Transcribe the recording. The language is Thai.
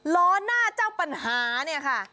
ล้อหน้าเจ้าปัญหาเนี่ยค่ะ